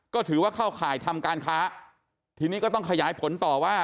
ก็ถือว่าเข้าข่ายทำการค้าทีนี้ก็ต้องขยายผลต่อว่า